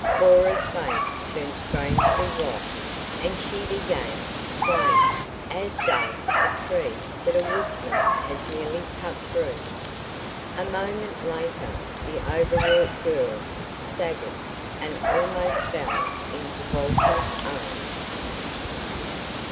Cora's face turned strangely white, and she began swaying, as does a tree that a woodsman has nearly cut through. A moment later the overwrought girl staggered and almost fell into Walter's arms.